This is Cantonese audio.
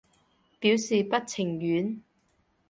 表示不情願